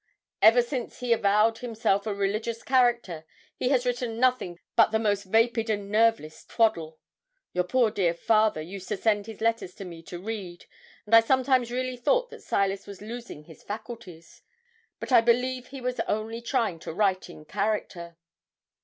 Ever since he avowed himself a religious character, he had written nothing but the most vapid and nerveless twaddle. Your poor dear father used to send his letters to me to read, and I sometimes really thought that Silas was losing his faculties; but I believe he was only trying to write in character.'